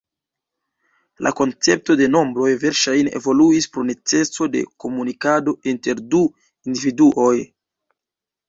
La koncepto de nombroj verŝajne evoluis pro neceso de komunikado inter du individuoj.